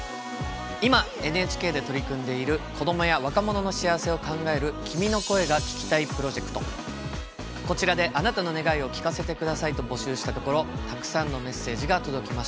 今ＮＨＫで取り組んでいる子どもや若者の幸せを考えるこちらで「あなたの願いを聴かせて下さい」と募集したところたくさんのメッセージが届きました。